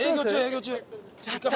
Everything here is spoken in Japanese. やった！